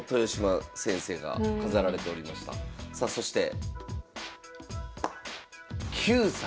さあそして「９歳」。